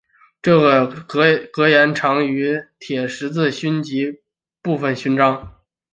这个格言常见于铁十字勋章及部分勋章。